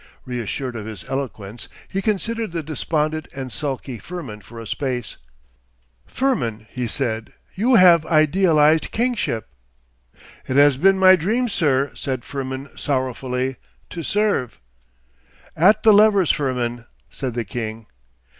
Reassured of his eloquence, he considered the despondent and sulky Firmin for a space. 'Firmin,' he said, 'you have idealised kingship.' 'It has been my dream, sir,' said Firmin sorrowfully, 'to serve.' 'At the levers, Firmin,' said the king.